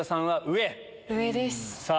上です。